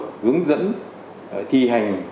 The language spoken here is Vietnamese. hướng dẫn thi hành